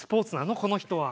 この人は。